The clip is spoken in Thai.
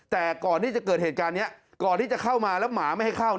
แต่ก่อนที่จะเกิดเหตุการณ์นี้ก่อนที่จะเข้ามาแล้วหมาไม่ให้เข้า